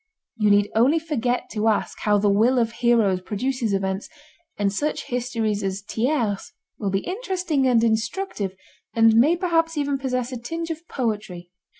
You need only forget to ask how the will of heroes produces events, and such histories as Thiers' will be interesting and instructive and may perhaps even possess a tinge of poetry.